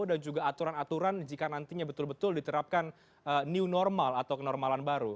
dan juga aturan aturan jika nantinya betul betul diterapkan new normal atau kenormalan baru